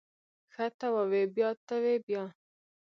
ښه ته ووی بيا ته وی بيا.